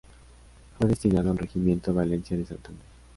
Fue destinado al Regimiento Valencia de Santander.